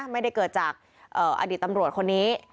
ไม่ได้เกิดจากอดีตตำรวจคนนี้